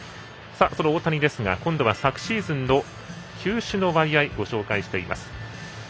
その大谷ですが今度は昨シーズンの球種の割合をご紹介しています。